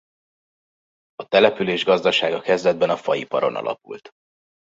A település gazdasága kezdetben a faiparon alapult.